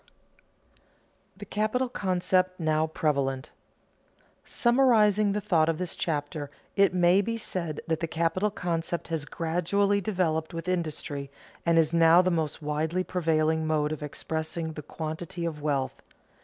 [Sidenote: The capital concept now prevalent] Summarizing the thought of this chapter, it may be said that the capital concept has gradually developed with industry, and is now the most widely prevailing mode of expressing the quantity of wealth.